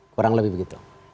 kurang lebih begitu